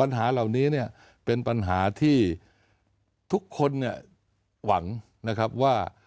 ปัญหาเหล่านี้เนี่ยเป็นปัญหาที่ทุกคนเนี่ยหวังนะครับว่า